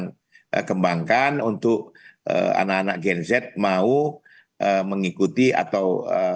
kita mengembangkan untuk anak anak gnz mau mengikuti atau